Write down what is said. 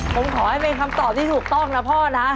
ผมขอให้เป็นคำตอบที่ถูกต้องนะพ่อนะ